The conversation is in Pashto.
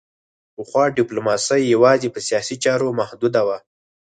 پخوا ډیپلوماسي یوازې په سیاسي چارو محدوده وه